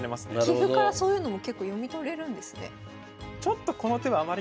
棋譜からそういうのも結構読み取れるんですね。